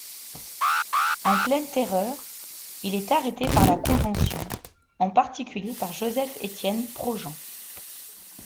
En pleine terreur, il est arrêté par la Convention, en particulier par Joseph-Étienne Projean.